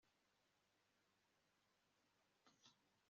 ritanditswe mu gitabo cy ubugingo cy umwana